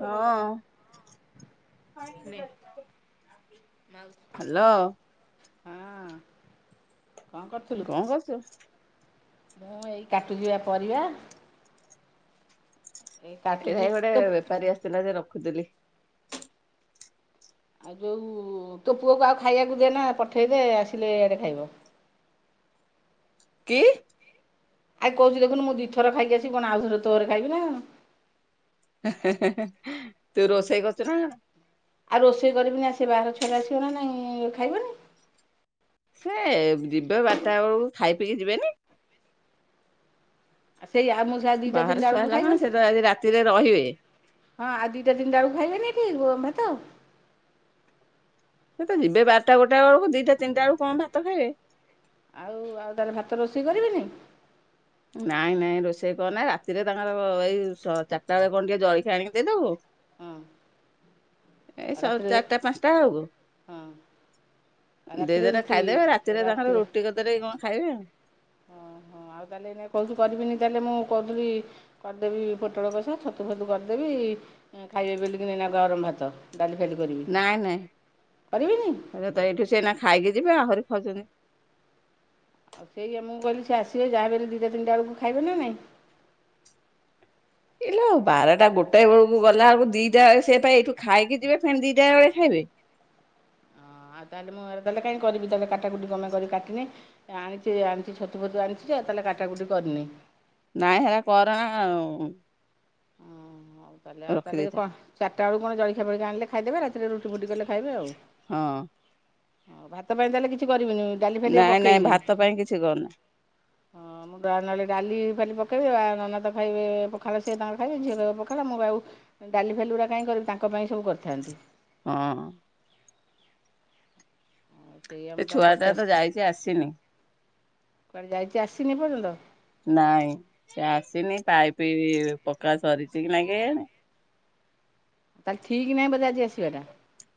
ହଁ। ହ୍ୟାଲୋ। ହଁ। କଣ କରୁଥିଲୁ? କଣ କରୁଛୁ? ମୁଁ ଏଇ କାଟୁଚି ବା ପରିବା। ଏଇ ଏଇଟା କାଟୁଚି ହିଁ ଗୋଟେ ତୋ ବେପାରୀ ଆସିଥିଲା, ଯେ ରଖୁଥିଲି। ଆ ଯଉ-ଉ-ଉ ତୋ ପୁଅକୁ ଆଉ ଖାଇବାକୁ ଦେନା, ପଠେଇଦେ, ଆସିଲେ ଇଆଡ଼େ ଖାଇବ। କି? ଆଏ, କହୁଛି ଦେଖୁନୁ, ମୁଁ ଦିଥର ଖାଇ କି ଆସିବି କଣ, ଆଉ ଥରେ ତୋ ଘରେ ଖାଇବି ନା କଣ? ହେଁ, ହେଁ, ହେଁ, ହେଁ, ତୁ ରୋଷେଇ କରୁଛୁ ନା କଣ? ଆଉ ରୋଷେଇ କରିବିନି, ଆ, ସେ ବାହାର ଛୁଆଟା ଆସିବ ନା ନାଇଁ, ଖାଇବନି? ସେ ଯିବେ ବାରଟା ବେଳକୁ, ଖାଇ ପିଇକି ଯିବେନି? ଆ ସେଇୟା। ଆ ମୁଁ ସେୟା ଦିଟା ବାହାରେ ତିନିଟା ଛୁଆ ବେଳକୁ ହେଲା କଣ? ଖାଇବନି। ସେ ତ ଆଜି ରାତିରେ ରହିବେ। ହଁ, ଆଉ ଦିଟା ତିନିଟା ବେଳକୁ ଖାଇବେନି ଏଠି ଭାତ। ସେ ତ ଯିବେ ବାରଟା ଗୋଟା ବେଳକୁ। ଦିଟା ତିନିଟା ଆଳୁ କଣ ଭାତ ଖାଇବେ? ଆଉ, ଆଉ ତାହେଲେ ଭାତ ରୋଷେଇ କରିବିନି। ନାଇଁ, ନାଇଁ, ରୋଷେଇ କରନା। ରାତିରେ ତାଙ୍କର ଏଇ ସ ଚାରିଟା ବେଳେ କଣ ଟିକେ ଜଳିଖିଆ ଆଣିକି ଦେଇଦବୁ। ହୁଁ। ଏଇ ସ ଚାରିଟା, ପାଞ୍ଚଟାଅଳକୁ। ହଁ। ଆଉ ରାତିରେ ଦେଇଦେଲେ ରୁଟି ଖାଇଦେବେ। ରାତିରେ ତାଙ୍କର ରୁଟି କରିଦେଲେ କଣ ଖାଇବେ ଆଉ? ଓହୋ ଆଉ ତାହେଲେ ଏଇନେ କହୁଛୁ କରିବିନି? ତାହେଲେ ମୁଁ କରୁଥିଲି କରିଦେବି ପୋଟଳ କଷା, ଛତୁ ଫତୁ କରିଦେବି, ଖାଇବେ ଵେଲିକିନା ଏଇନା ଗରମ ଭାତ। ଡାଲି-ଫାଲି କରିବି। ନାଇଁ, ନାଇଁ, କରିବିନି ସେ ତ ଏଇଠୁ ସେ ଏଇନା ଖାଇକି ଯିବେ, ଆହୁରି ଖାଉଛନ୍ତି। ଆଉ ସେଇୟା ମୁଁ କହିଲି, ସିଏ ଆସିବେ ଯାହାବିହଲେ ଦିଟା, ତିନିଟାଳକୁ ଖାଇବେ ନା ନାହିଁ। ଇଲୋ, ବାରଟା, ଗୋଟାଏ ବେଳକୁ ଗଲାଆଳୁ କୁ ଦିଟା ବେଳେ ସେ ପା ଏଇଠୁ ଖାଇକି ଯିବେ, ଫେଣେ ଦିଟା ବେଳେ ଖାଇବେ। ହ, ଆଉ ତାହେଲେ ମୁଁ ଏରା କାହିଁ କରିବି? ତାହେଲେ କାଟାକୁୁଟି କରନା କରି, କାଟିିନେଇ। ଆଣିଛି, ଆଣିଛି, ଛତୁ ଫତୁ ଆଣିଛି ଯେ, ତାହେଲେ କାଟାକୁଟି କରିନେଇ। ନାଇଁ, ସେ ଗୁରା କରନା ଆଉ। ହଉ ତାହେଲେ ଆଉ ତାଲେ ରଖିଦେଇଥା କଣ, ଚାରଟାଳୁ କଣ ଜଳଖିଆ ଫଳଖିଆ ଆଣିଲେ ଖାଇଦେବେ, ରାତିରେ ରୁଟି ଫୁଟି କଲେ ଖାଇବେ ଆଉ। ହଁ। ହଉ, ଭାତ ପାଇଁ ତାହେଲେ କିଛି କରିବିନି। ଡାଲି ଫାଲି ଆଉ ନାଇଁ, ନାଇଁ, ଭାତ ପାଇଁ କିଛି କରନା। ହଁ। ହଁ, ମୁଁ ତାହେଲେ ନହେଲେ ଡାଲି ଫାଲି ପକେଇବି। ଆ ନନା ତ ଖାଇବେ ପଖାଳ, ସିଏ ତାଙ୍କର ଖାଇବେ। ଝିଅ ତ ପଖାଳ, ମୁଁ ଆଉ ଡାଲି ଫାଲି ଗୁରା କାହିଁ କରିବୁ, ତାଙ୍କ ପାଇଁ ସବୁ କରିଥାନ୍ତି। ହଁ। ଆଉ ସେଇଆ ସେ ମୁଁ ତାକୁ ଛୁଆଟା ପଚାର ତ ଯାଇଛି, ଆସିନି। କୁଆଡ଼େ ଯାଇଛି, ଆସିନି ଏପର୍ଯ୍ୟନ୍ତ? ନାଇଁ, ସେ ଆସିନି, ପାଇପି-ଇ ପକା ସରିଛି କି ନାଇଁ କେଜାଣି? ତାହେଲେ ଠିକ୍ ନାହିଁ ବୋଧେ, ଆଜି ଆସିବାଟା?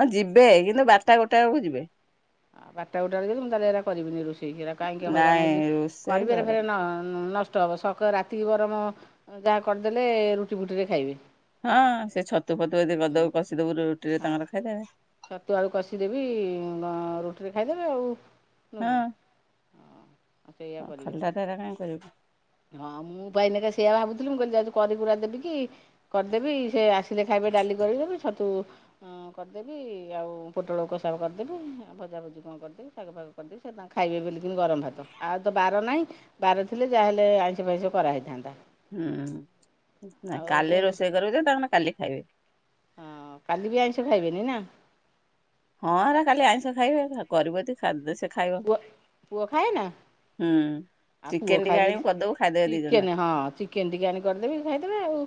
ହଁ, ଯିବେ। କିନ୍ତୁ ବାରଟା, ଗୋଟେ ବେଳକୁ ଯିବେ। ଆ, ବାରଟା ଗୋଟାଳୁ, ମୁଁ ତାହେଲେ ଏରା କରିବିନି ରୋଷେଇ। ଠିକ୍ ହେରା, କାହିଁକି ହଇରାଣ ନାଇଁ ହେଇକି ରୋଷେଇ କରିବି? ଏରା ଫେରେ କରନି ନ-ଅ ନସ ନଷ୍ଟ ହବ। ସକାଳ ରାତି ବରଂ ଯାହା କରିଦେଲେ, ରୁଟି ଫୁଟିରେ ଖାଇବେ। ହଁ, ସେ ଛତୁ ଫତୁ ଯଦି ହୁଁ କରଦବୁ, କଷିଦବୁ, ରୁଟିରେ ହଁ ତାଙ୍କର ଖାଇଦେବେ। ଛତୁ, ଆଳୁ କଷିଦେବି, ରୁଟିରେ ଖାଇଦେବେ ଆଉ। ନୁହେଁ ହଁ କି ହଁ ସେଇଆ କରିବି ଖଣ୍ଡା ତାରା କାହିଁ କରିବୁ। ହଁ ମୁଁ ପା ଏଇନାକେ ସେଇଆ ଭାବୁଥିଲି ମୁଁ କହିଲି ଯାଉଛି କରିିକୁରା ଦେବି କି? କରିଦେବି ସେ ଆସିଲେ ଖାଇବେ ଡାଲି କରିବୁ କି ଛତୁ କରିଦେବି ଆଉ ପୋଟଳ କଷା କରିଦେବି ଆଉ ଭଜାଭୁଜି କଣ କରିଦେବି ତାକୁ କରିଦେବି ସେ ତାଙ୍କୁ ଖାଇବେ ବୋଲିକିନି ଗରମ ଭାତ ଆଉ ତ ବାର ନାହିଁ। ବାର ଥିଲେ ଯାହାହେଲେ ଆଇଁଷ ଫାଇଁଷ କରାହେଇଥାନ୍ତା। ହୁଁ ନା ଆଉ କାଲି ସୋମ ରୋଷେଇ କରିବୁ ଯେ ତା ମାନେ କାଲି ଖାଇବେ। ହଁ କାଲି ବି ଆଇଁଷ ଖାଇବେନି ନା? ହଁ ଆରା କାଲି ଆଇଁଷ ଖାଇବେ ଆ କରିବୁ ଯଦି ଖାଦ ସେ ଖାଇବ। ପୁଅ ପୁଅ ଖାଏ ନା? ହୁଁ। ଆଉ ପୁଅ ଚିକେନ ଟିକେ ଖାଏ ଯଦି ଆଣିବୁ କରିଦବୁ [inaudible] ଖାଇଦେବେ ଦି ଜଣ ଯାକ ଚିକେନ ହଁ ଚିକେନ ଟିକେ ଆଣି କରିଦେବି ଖାଇଦେବେ ଆଉ।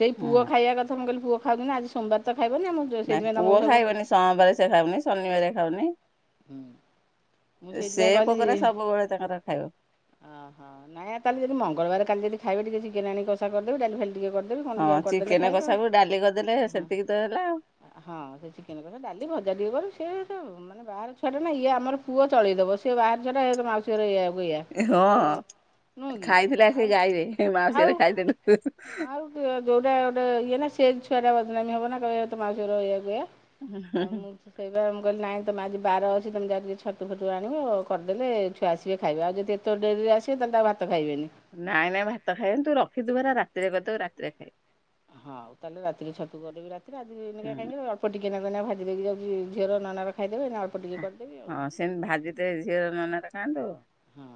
ସେଇ ପୁଅ ହୁଁ ଖାଇବା କଥା ମୁଁ କହିଲି ପୁଅ ଖାଉଚି ନା ଆଜି ସୋମବାର ତ ଖାଇବନି ଆଉ ମୁଁ ନା ସେଇଥିପାଇଁ ପୁଅ ତମକୁ ସବୁ ଖାଇବନି ସଂବାରେ ସେ ଖାଉନି ଶନିବାରିଆ ଖାଉନି। ହୁଁ ମୁଁ [inaudible] ସେ ସେଇଥିପାଇଁ ପୋକରା ସବୁବେଳେ ତାଙ୍କର ଖାଇବ। ଏଁ କାଲି ଯଦି ମଙ୍ଗଳବାର କାଲି ଯଦି ଖାଇବେ ଟିକେ ଚିକେନ ଆଣି କଷା କରିଦେବୁ ଡାଲି ଫାଲି ଟିକେ କରିଦେ ହଁ ଚିକେନ କସା କୁ ଡାଲି କରିଦେଲେ ହଁ ସେତିକି ତ ହେଲା ଆଉ। ହଁ ସେ ଚିକେନ କସା ଡାଲି ଭଜା ଟିକେ କରୁ ସେ ଆଉ ତ ମାନେ ବାହାର ଛୁଆ ଟା ନା ଇଏ ଆମର ପୁଅ ଚଳେଇଦବ ସିଏ ବାହାରେ ଛୁଆଟା ଏ ତୋ ମାଉସୀର ଏୟାକୁ ଇଇଆ ଗୋଟେ ହଁ ନୁହଁ କି ଖାଇଥିଲା ସେ ଆଉ ଗାଈରେ ଆଉ ମାଉସୀଘରେ ଖାଇଦେଲୁ। [inaudible] ଯୋଉଟା ଗୋଟେ ଇଏନା ସେ ଛୁଆଟା ବଦନାମି ହବନା କହିବ ତୋ ମାଉସି ଘର ଏୟାକୁ ଏୟା। ଆଉ ମୁଁ ସେଇ ପା ମୁଁ କଲି ନାଇଁ ତମେ ଆଜି ବାର ଅଛି ତମେ ଯାଇ ଟିକେ ଛତୁ ଫତୁ ଆଣିବ କର୍ ଦେଲେ ଛୁଆ ଆସିବେ ଖାଇବେ ଆଉ ଯଦି ଏ ତ ଡେରିରେ ଆସିବେ ତାହାଲେ ତ ଆଉ ଭାତ ତ ଖାଇବେନି। ନାଇଁ ନାଇଁ ଭାତ ଖାଇବେନି ତୁ ରଖିଥିବୁ ହେରା ରାତିରେ କରିଦେବୁ ରାତିରେ ଖାଇବେ। ହଁ ଆଉ ତାହେଲେ ରାତିରେ ଛତୁ କରିଦେବି ରାତିରେ ଆଜି ଏଇନାକେ ହୁଁ। କାଇଁକି ଅଳ୍ପ ଅଳ୍ପଟିକେ ନାକୁ ଏଇନା ଭାଜି ଦେଇକି ଯାଉଛି ଝିଅ ନନା ର ଖାଇଦେବେ ଏଇନା ଅଳ୍ପ ଟିକେ କରିଦେବି ଆଉ। ହଁ ସେମି ଭାଜିଦେ ଝିଅର ନନାର ଖାଆନ୍ତୁ ହଁ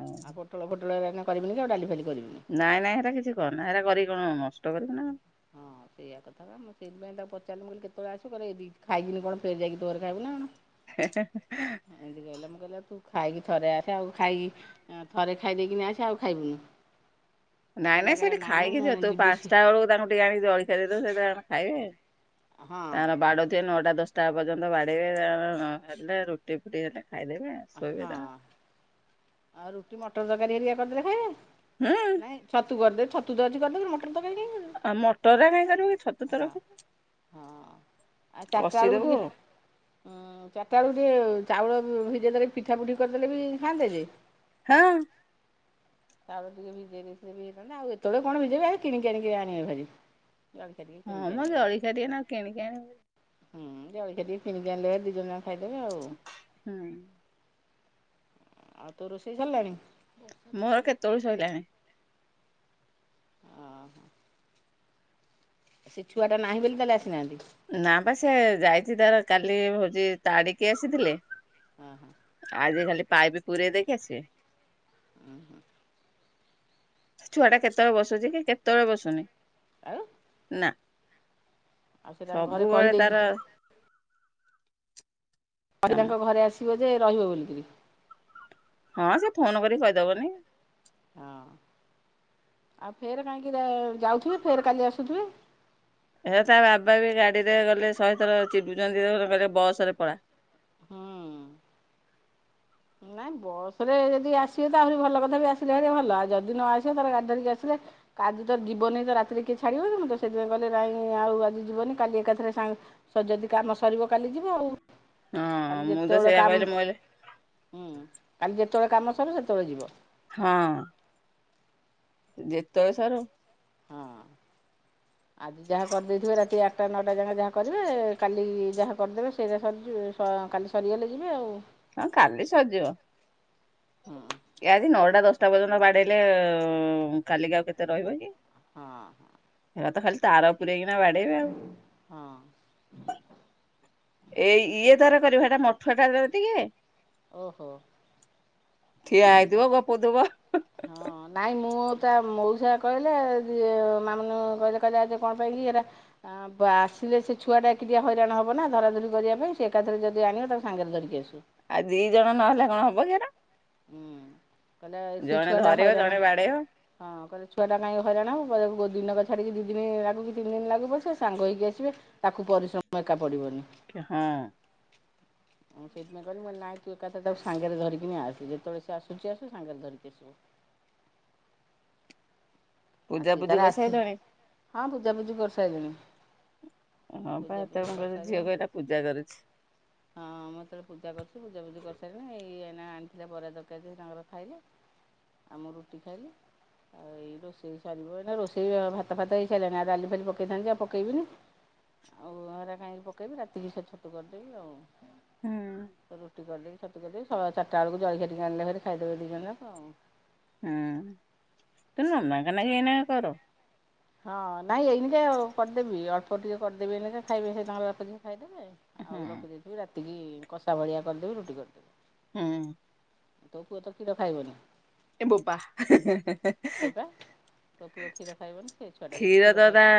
ଆଉ ପୋଟଳ ଫୋଟଳ ଏରା ଏନା କରିବୁନି କି ଆଉ ଡାଲି ଫାଲି କରିବୁନି। ନାଇଁ ନାଇଁ ହେରା କିଛି କର ନା ହେରା କରିକି କଣ ନଷ୍ଟ କରିବୁ ନା କଣ। ହଁ ସେଇଆ କଥା ମୁଁ ସେଇଥିପାଇଁ ତାକୁ ପଚାରିଲି ମୁ କହଲି କେତେବେଳେ ଆସିବୁ କଇଲେ ଏଇ ଦି ଖାଇକି କଣ ଫେରେ ଯାଇକି ତୋ ଘରେ ଖାଇବି ନା କଣ। [inaudible] ଏମିତି କହିଲେ ମୁଁ କହିଲି ତୁ ଖାଇକି ଥରେ ଆସେ ଆଉ ଖାଇକି ଥରେ ଖାଇ ଦେଇକିନି ଆସେ ଆଉ ଖାଇବୁନି। ନାଇଁ କହିଲା ନାଇଁ ସେ କହିଲା ଏଠି ନା ମ ଖାଇକି ମୁଁ ଯିବ ତୁ ଯିବି ସି ପାଞ୍ଚଟା ବେଳକୁ ତାଙ୍କୁ ଟିକେ ଆଣିକି ଜଳଖିଆ ଦେଇଦେବୁ ସେ ତାଙ୍କର ଖାଇବେ। ହଁ ତାଙ୍କର ବାଡ଼ଉ ଥିବେ ନଅଟା ଦଶଟା ଟା ପର୍ଯ୍ୟନ୍ତ ବାଡେଇବେ ତାଙ୍କର ନ ହେଲେ ରୁଟି ଫୁଟି ହେଲେ ଖାଇଦେବେ ଆଉ। ହଁ ଆଉ ରୁଟି ମଟର ତରକାରୀ ହେରିକା କରିଦେଲେ ହୁଁ ଖାଇବେ। ନାଇଁ ଛତୁ କରଦେବି ଛତୁ ତ ଅଛି କରି ଦେବି ଫେର୍ ମଟର ତରକାରୀ କାଇଁ କରିବି। ଆ ମଟରା କାଇଁ କରିବୁ କି ଛତୁ ତ ରଖି ହଁ ଆଉ ଚାରିଟା ଏଳକୁ ଟିକେ ଆଉ। ହଁ ଚାରିଟା ବେଳକୁ ଟିକେ ଚାଉଳ ଭ ଭିଜେଇ ଦେଲେ ପିଠା ପୁଠି କରିଦେଲେ ବି ଖାଆନ୍ତେ ଯେ। ହଁ। ଚାଉଳ ଟିକେ ଭିଜେଇ ଦେଇଥିଲେ ଭି ହେଇଥାନ୍ତା ଆଉ ଏତବେଳେ କଣ ଭିଜେଇବି ଆ ଏଇ କିଣିକି ଆଣିକି ଆଣିବେ ଭାରି। ଜଳଖିଆ ଟିକେ ହଁ କିଣିକି ମଁ ଆଣିବେ। ଜଲଖିଆ ଟିକେ ନହେଲେ କିଣିକି ଆଣିବୁ। ହୁଁ ଜଲଖିଆ ଟିକେ କିଣିକି ଆଣିଲେ ଦି ଜଣ ଯାକ ଖାଇଦେବେ ଆଉ। ହୁଁ ଆଉ ତୋ ରୋଷେଇ ସରିଲାଣି? ମୋର କେତେବୋଳୁ ସଇଲାଣି। ଅହଃ ସେ ଛୁଆଟା ନାହିଁ ବୋଲି ତାହେଲେ ଆସିନାହାନ୍ତି ନା ବା ସେ ଯାଇଚି ତାର କାଲି ହୋଉଚି ତାଡିକି ଆସିଥିଲେ। ହଁ ହଁ ଆଜି ଖାଲି ପାଇପ ପୁରରେଇ ଦେଇକି ଆସିବେ। ଉଁ ହୁଁ ଛୁଆଟା କେତେବେଳେ ବସୁଛିକି କେତେବେଳେ ବସୁନି। ଆଉ ନାଁ ଆଉ ସେ ତାଙ୍କ ଘରେ ସବୁବେଳେ କହିଦେଇକି ତାର କାଲି କାମ। ତାଙ୍କ ଘରେ ଆସିବ ଯେ ରହିବ ବୋଲିକିରି ହଁ ସେ ଫୋନ କରି କହିଦବନି ହଁ ଆଉ ଫେରେ କାହିଁକି ଯାଉଥିବେ ଫେରେ କାଲି ଆସୁଥିବେ ଏଵେ ତା ବାବାବି ଗାଡିରେ ଗଲେ ଶହେ ଥର ଚିଡୁଛନ୍ତି କହିଲେ ବସରେ ପଳା। ହଁ ନାଇଁ ବସରେ ଯଦି ଆସିବେ ତ ଆହୁରି ଭଲ କଥା ବି ଆସିଲେ ଆହୁରି ଭଲ ଆଉ ଯଦି ନ ଆସିବ ତାହେଲେ ଗାଡି ଧରିକି ଆସିଲେ କାଲି ତ ଯିବନି ତ ରାତିରେ କିଏ ଛାଡିବନି ମୁଁ ତ ସେଥିପାଇଁ କହିଲେ ନାଇଁ ଆଉ ଆଜି ଯିବନି କାଲି ଏକାଥରେ ସାଙ୍ଗ ସ ଯଦି କାମ ସରିବ କାଲି ଯିବ ଆଉ। ହଁ କାଲି ମୁଁ ତ ଯେତେବେଳେ ସେଇଆ କାମ କହିଲି ମୁଁ କହିଲି ହୁଁ କାଲି ଯେତେବେଳେ କାମ ସରିବ ସେତେବେଳେ ଯିବ। ହଁ ଯେତେବେଳେ ସାରୁ ହଁ [inaudible] ଆଜି ଯାହା କରିଦେଇଥିବେ ରାତି ଆଠଟା ନଅଟା ଯାକେ ଯାହା କରିବେ କାଲି ଯାହା କରିଦେବେ ସେଇରା ସରିଯି ସ କାଲି ସରିଗଲେ ଯିବେ ଆଉ। ହଁ କାଲି ସରିଜିବ। ହଁ କି ଆଜି ନଅଟା ଦଶଟା ପର୍ଯ୍ୟନ୍ତ ବାଡେଇଲେ କାଲିିକି ଆଉ କେତେ ରହିବ କି? ହଁ ହଁ। ହେରାତ ଖାଲି ତାର ପୁରରେଇକିନା ବାଡେଇବେ ଆଉ। ହଁ। ଏଇ ଇଏ ତାର କରିବ ହେଟା ମଠୁଆଟାତ ଟିକେ। ଓହୋ ଠିଆ ହେଇଥିବ ଗପୁ ଥିବ। ହଁ ନାଇଁ ମୁଁ ତା ମଉସା କହିଲେ ଝିଅ ମାମୁନି ମା କହିଲେ କହିଲେ ଆଜି କଣ ପାଇଁକି ଏଇଟା ଆ ବା ଆସିଲେ ସେ ଛୁଆଟା ଟିକେ ହଇରାଣ ହେବ ନା ଧରାଧରି କରିବା ପାଇଁ ସେ ଏକାଥରେ ଯଦି ଆଣିବ ତାକୁ ସାଙ୍ଗରେ ଧରିକି ଆସୁ। ଆ ଦିଜଣ ନହେଲେ କଣ ହବକି ହେରା। ମାନେ ସେ ଜଣେ ଛୁଆଟା ଧରିବ ହଇରାଣ ଜଣେ ବାଡେଇବ। ହଁ କହିଲେ ଛୁଆଟା କାହିଁକି ହଇରାଣ ହବ ବରଂ ଦିନକ ଛାଡ଼ିକି ଦିଦିନି ଲାଗୁ କି ତିନି ଦିନ ଲାଗୁ ପଛେ ସେ ସାଙ୍ଗ ହୋଇକି ଆସିବେ। ତାକୁ ପରିଶ୍ରମ ଏକା ପଡିବନି। କି ହଁ। ମୁଁ ସେଥିପାଇଁ କହିଲି ନାଇଁ ତୁ ଏକାଥରେ ତାକୁ ସାଙ୍ଗରେ ଧରିକି ଆସେ। ଯେତେବେଳେ ସେ ଆସୁଚି ଆସୁ ସାଙ୍ଗରେ ଧରିକି ଆସିବ। ପୂଜା ଆଜି ପୂଜି ତାର ଆସୁ କରିସାଇଲଣି? ହଁ ପୂଜାପୁଜିି କରି ସାରିଲିଣି। ହଁ ପା ଏତେଜଣ କହିଲେ ଝିଅକୁ ଏଟା ପୂଜା କରୁଛି। ହଁ ମୁଁ ହେତେବେଳେ ପୂଜା କରୁଛି ପୂଜା ପୂଜି କରିସାରିଲିଣି ଇଏ ଏଇନା ଆଣିଥିଲେ ବରା ଦରକାରୀ ତାଙ୍କର ଖାଇଲେ। ମୁଁ ରୁଟି ଖାଇଲି ଆଉ ଏଇ ରୋଷେଇ ସରିବ ରୋଷେଇ ଭାତ ଫାତ ହେଇ ସାରିଲଣି ଡାଲି ଫାଲି ପକେଇଥାନ୍ତି ଆଉ ପକେଇବିନି। ଆଉ ହରା କାଇଁକି ପକେଇବି ରାତିକି ସେ ଛତୁ କରିଦେବି ଆଉ ହୁଁ। ସେ ରୁଟି କରିଦେଇବି। ଛତୁ କରିଦେବି ସବା ଚାରିଟା ବେଳକୁ ଜଳଖିଆ ଟିକେ ଆଣିଲେ ଖାଇଦବେ ଦିଇ ଜଣ ଯାକ ଆଉ। ହୁଁ ତୁ ନନାକନ ନାଗି ଏନା କର। ହଁ ନାଇଁ ଏଇନିକେ କରିଦେବି ଅଳ୍ପ ଟିକେ କରିଦେବି ଏନିକେ ଖାଇବେ ସେ ତାଙ୍କର ଭତହନିରେ ଖାଇଦେବେ। ହୁଁ ଆଉ ରଖିଦେଇଥିବି ରାତିକି କଷା ଭଳିଆ କରିଦେବି ରୁଟି କରିଦେବି। ହୁଁ। ତୋ ପୁଅ ତ ଖିର ଖାଇବନି? ଏ ବୋପା ସେଇପା ତୋ ପୁଅ କ୍ଷୀର ଖାଇବନି ସେ ଛୁଆଟା ଯଦି କ୍ଷୀର କ୍ଷୀର ତ ତା ଖାଇବ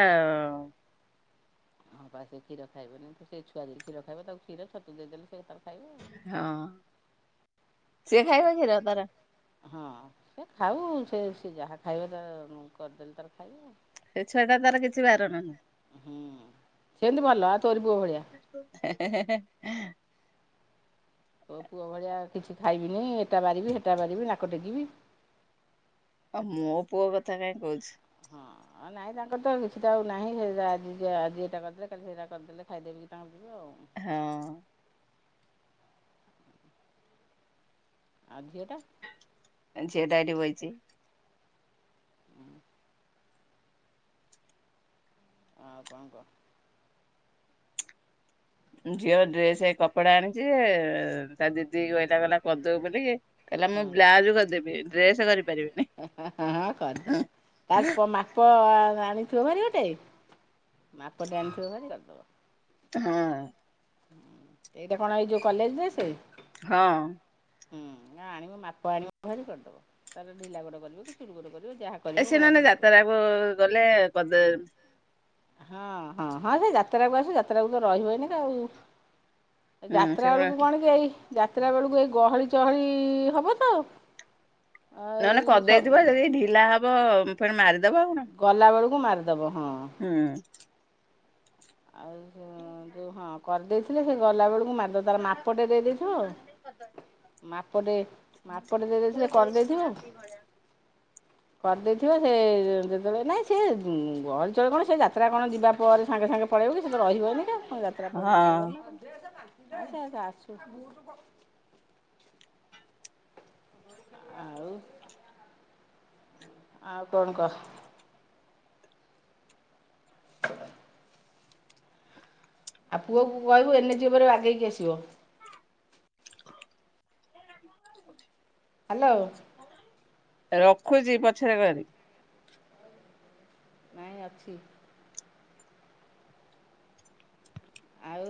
ହଁ ବା ସେ ଖିର ଖାଇବନି ସେ ଛୋଟ କୁ ଦେଇ କ୍ଷୀର ଖାଇବ ତାକୁ କ୍ଷୀର ତୁ ଦେଇ ଦେଲେ ସେ ଖାଇବ। ଆଉ। ହଁ ସିଏ ଖାଇବା କ୍ଷୀର ତାର ହଁ ସେ ଖାଉ ସେ ସେ ଯାହା ଖାଇବ ତା କରିଦେଲେ ତାର ଖାଇବ ଆଉ। ସେ ଛୁଆଟା ତାର କିଛି ବାରଣ ହୁଁ ସେମିତି ଭଲ ତୋରି ପୁଅ ଭଳିଆ। ନାହିଁ ତୋ ପୁଅ ଭଳିଆ କିଛି ଖାଇବିନି ଏଟା ବାରିବି ସେଟା ବାରିବି ନାକ ଟେକିବି। ଅ ମୋ ପୁଅ କଥା କାଇଁ କହୁଛି? ହଁ ନାଇଁ ତାଙ୍କର ତ କିଛିଟ ଏଇଟା ସେଟା ଆଜି ଏଟା କରିଦେଲେ କାଲି ସେଟା କରିଦେଲେ ଖାଇଦେବେ ହଁ। ଆଉ ଝିଅ ଟା? ଏ ଝିଅ ଟା ଏଇଠି ବଇଛି। ଆଉ କଣ କୁଅ? ଝିଅ ଡ୍ରେସେ କପଡା ଆଣିଛି ଜେ ତା ଦିଦିକୁ କହିଲା କରିଦେବୁ ବୋଲିକି କହିଲ ମୁଁ ହଁ ବ୍ଲାଉଜୁ କରିଦେବି ଡ୍ରେସ୍ କରିପାରିବିନି। ତାରପ ମାପ ଆଣିଥିବ ଭାରି ଗୋଟେ ମାପଟେ ଆଣିଥିବ ଭାରି କରିଦବ ହଁ। ଏଇଟା କଣ ଏଇ ଯୋଉ କଲେଜେ ଡ୍ରେସେ? ହଁ। ହୁଁ ଆଣିବୁ ମାପ ଆଣିବୁ ଘରି କରିଦବ ତାର ଢିଲା ଗୋଡ କରିବ କି ଚୁୁରି ଗୋଡ କରିବ ଯାହା ଏ କରିବ ସେମାନେ ଆଣିକି ଯାତ୍ରାକୁ ଗଲେ କରଦେ ହଁ ହଁ ହଁ ସେ ଯାତ୍ରାକୁ ଆସୁ ଯାତ୍ରା କୁ ତ ରହିବ ଏନେକା ଆଉ। ଏ ହୁଁ ସେ ଯାତ୍ରା ବେଳକୁ କଣ କି ଏଇ ଯାତ୍ରା ବେଳକୁ ଏଇ ଗହଳି ଚହଳି ହବ ତ ନହେଲେ ଏଇ ସବୁ କଦେଇଥିବ ଯଦି ଢିଲା ହବ ଫେଣ ମାରିଦବ ଆଉ କଣ ଗଲାବେଳକୁ ମାରିଦେବ ହଁ। ହୁଁ। ଆଉ ଯେଉଁ ହଁ କରିଦେଇଥିଲେ ସେ ଗଲାବେଳକୁ ମାରିଦେଇଥିବ ମାପଟେ ଦେଇ ଦେଇଥିବ ମାପଟେ ମାପ ଟେ ଦେଇଦେଇଥିଲେ କରିଦେଇଥିବ କରିଦେଇଥିବ ସେ ଯେତେବେଳେ ନାଇଁ ସେ ଗହଳିଚହଳ କଣ ସେ ଯାତ୍ରା କଣ ଯିବା ପରେ ସାଙ୍ଗେ ସାଙ୍ଗେ ପଳେଇବ କି ସେ ରହିବ ଏଇନେକା କଣ ଯାତ୍ରା ପରେ ଯିବ ଭାରି ହଁ। ନାକଣସିଏଆ ଗେ ଆସୁ। ଆଉ ଆଉ କଣ କ? ଆଉ ପୁଅକୁ କହିବୁ ଏନେ ଏଚି ଉପରୁ ବାଗେଇକି ଆସିବ। ହ। ଲୋ। ରଖୁଛି ପଛରେ କରି। ନାହିଁ ଅଛି। ଆଉ